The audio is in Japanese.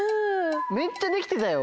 めっちゃできてたよ。